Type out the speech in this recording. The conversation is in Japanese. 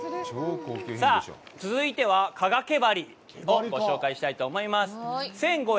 さあ、続いては加賀毛針をご紹介したいと思います。